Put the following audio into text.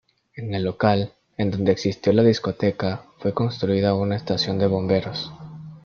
En el local en donde existió la discoteca fue construida una estación de bomberos.